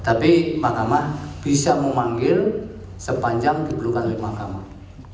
tapi mahkamah bisa memanggil sepanjang diperlukan oleh mahkamah